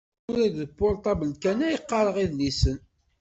Tura deg upurṭabl kan ay qqareɣ idlisen.